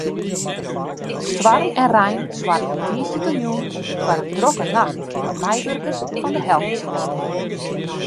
Stoarm en rein soargen tiisdeitejûn foar in drokke nacht foar meiwurkers fan de helptsjinsten.